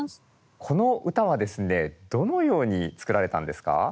この歌はですねどのように作られたんですか？